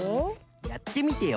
やってみてよ